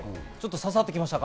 刺さってきましたか？